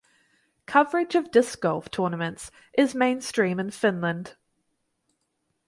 Coverage of disc golf tournaments is mainstream in Finland.